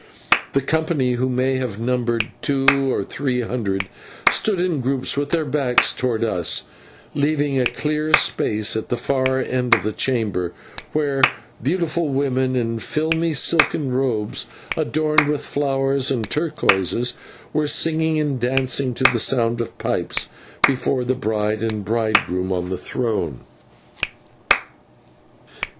The company, who may have numbered two or three hundred, stood in groups with their backs towards us, leaving a clear space at the far end of the chamber, where beautiful women, in filmy, silken robes adorned with flowers and turquoises, were singing and dancing to the sound of pipes before the bride and bridegroom on the throne.